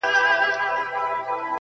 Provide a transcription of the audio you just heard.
ته سینې څیره له پاسه د مرغانو!.